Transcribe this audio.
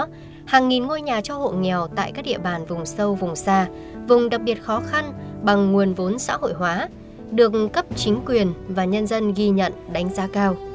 trong đó hàng nghìn ngôi nhà cho hộ nghèo tại các địa bàn vùng sâu vùng xa vùng đặc biệt khó khăn bằng nguồn vốn xã hội hóa được cấp chính quyền và nhân dân ghi nhận đánh giá cao